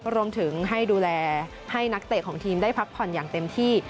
รวมถึงให้ดูแลให้นักเตะของทีมได้พักผ่อนอย่างเต็มที่